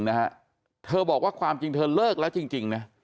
ฝ่ายผู้หญิงบอกว่าความจริงเธอเลิกจริง